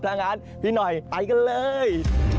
ถ้างั้นพี่หน่อยไปกันเลย